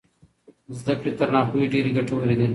زده کړې تر ناپوهۍ ډېرې ګټورې دي.